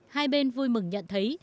hai bên vui mừng nhận thấy